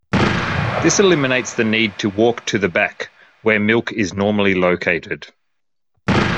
This eliminates the need to walk to the back, where milk is normally located.